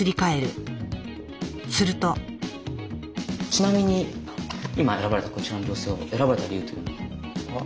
ちなみに今選ばれたこちらの女性を選ばれた理由というのは？